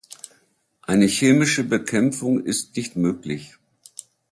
Eine chemische Bekämpfung ist nicht möglich.